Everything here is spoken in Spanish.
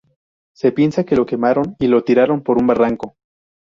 Se piensa que lo quemaron y lo tiraron por un barranco.